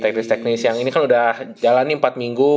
teknis teknis yang ini kan udah jalan nih empat minggu